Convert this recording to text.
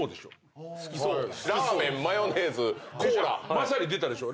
まさに出たでしょ。